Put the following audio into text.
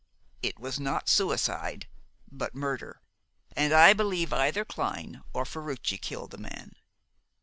It was not suicide, but murder, and I believe either Clyne or Ferruci killed the man."